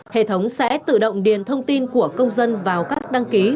hệ thống sẽ tự động điền thông tin của công dân vào các đăng ký